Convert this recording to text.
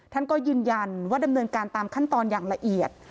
ท่านก็ยืนยันว่าดำเนินการตามขั้นตอนอย่างละเอียด